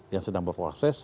yang sedang berproses